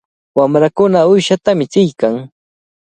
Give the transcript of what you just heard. Wamrakuna uyshata michiykan.